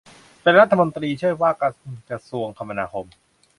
เป็นรัฐมนตรีช่วยว่าการกระทรวงคมนาคม